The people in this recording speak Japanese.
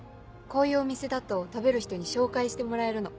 こういうお店だと食べる人に紹介してもらえるの。